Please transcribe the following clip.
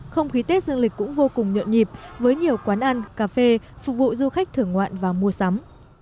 không khí tết dương lịch cũng vô cùng nhộn nhịp với nhiều quán ăn cà phê phục vụ du khách thưởng ngoạn và mua sắm